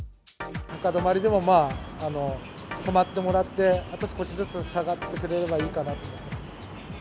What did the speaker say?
高止まりでも、まあ、止まってもらって、あと少しずつ下がってくれればいいかなと。